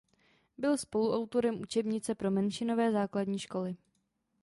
Byl spoluautorem učebnice pro menšinové základní školy.